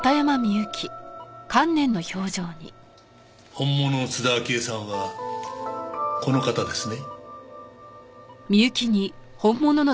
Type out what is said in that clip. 本物の津田明江さんはこの方ですね？